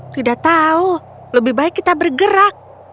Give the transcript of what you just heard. tidak tahu lebih baik kita bergerak